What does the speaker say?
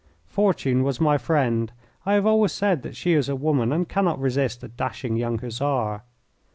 Fortune was my friend I have always said that she is a woman and cannot resist a dashing young Hussar.